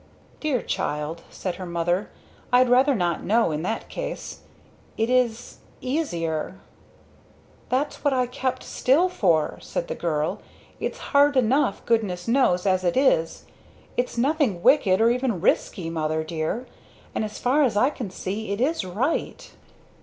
"Dear child" said her Mother, "I'd rather not know in that case. It is easier." "That's what I kept still for!" said the girl. "It's hard enough, goodness knows as it is! Its nothing wicked, or even risky, Mother dear and as far as I can see it is right!"